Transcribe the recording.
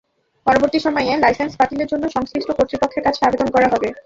পরবর্তী সময়ে লাইসেন্স বাতিলের জন্য সংশ্লিষ্ট কর্তৃপক্ষের কাছে আবেদন করা হবে।